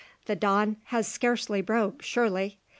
"The dawn has scarcely broke, surely.